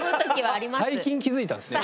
最近気付いたんですね。